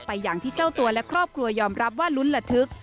อย่างที่เจ้าตัวและครอบครัวยอมรับว่าลุ้นระทึก